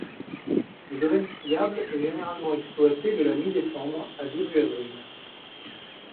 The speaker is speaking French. Le domaine skiable est généralement exploité de la mi-décembre à début avril.